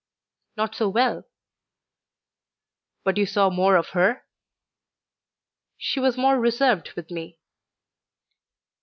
"Not so well." "But you saw more of her?" "She was more reserved with me."